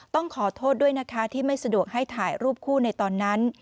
ต้องขอโทษด้วยนะคะที่ไม่สะดวกให้ถ่ายรูปคู่ในตอนนั้น